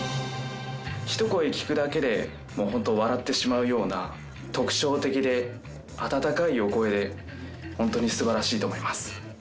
ひと声聞くだけでもう本当笑ってしまうような特徴的で温かいお声で本当に素晴らしいと思います。